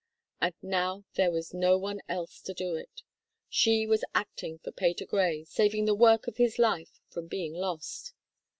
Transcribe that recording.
And now there was none else to do it she was acting for Patergrey, saving the work of his life from being lost.